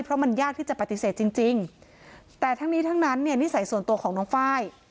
เพราะมันยากที่จะปฏิเสธจริงจริงแต่ทั้งนี้ทั้งนั้นเนี่ยนิสัยส่วนตัวของน้องไฟล์